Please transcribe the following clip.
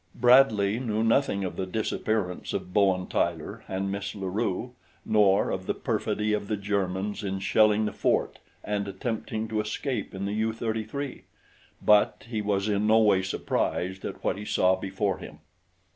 Bradley knew nothing of the disappearance of Bowen Tyler and Miss La Rue, nor of the perfidy of the Germans in shelling the fort and attempting to escape in the U 33; but he was in no way surprised at what he saw before him.